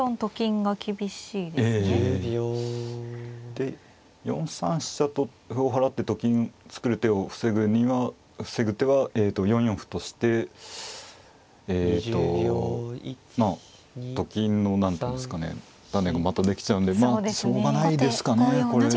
で４三飛車と歩を払ってと金作る手を防ぐには防ぐ手は４四歩としてえとまあと金の何ていうんですかね場面がまたできちゃうんでしょうがないですかねこれ。